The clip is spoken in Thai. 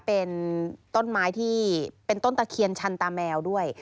เป็นต้นไม้ที่เป็นต้นตะเคียนชันตาแมวด้วย